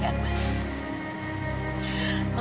tadi kamu lihat sendiri kan man